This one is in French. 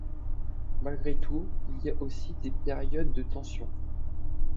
Malgré tout, il y a aussi des périodes de tension.